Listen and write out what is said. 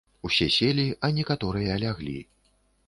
І ўсе селі, а некаторыя ляглі.